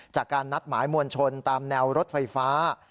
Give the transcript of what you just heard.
จากการนัดหมายมวลชนตามแนวรถไฟฟ้า